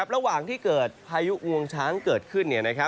ระหว่างที่เกิดพายุงวงช้างเกิดขึ้น